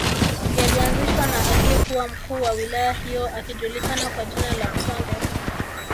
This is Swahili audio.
Yalianzishwa na aliyekuwa mkuu wa wilaya hiyo akijulikana kwa jina la Msonge